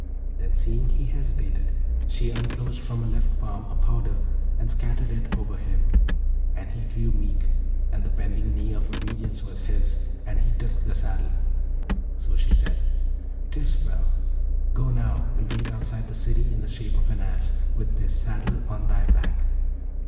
Then, seeing he hesitated, she unclosed from her left palm a powder, and scattered it over him; and he grew meek, and the bending knee of obedience was his, and he took the saddle. So she said, ''Tis well! Go now, and wait outside the city in the shape of an Ass, with this saddle on thy back.'